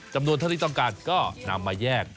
จำนวนเท่าที่ต้องการก็นำมาแยก